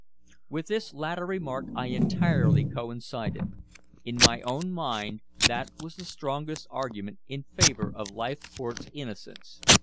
With his latter remark I entirely coincided. In my own mind that was the strongest argument in favor of Leithcourt's innocence.